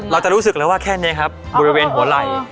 เราจะรู้สึกเลยว่าแค่นี้ครับบริเวณหัวไหล่